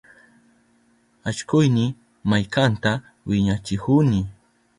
Allkuyni maykanta wiñachihuni.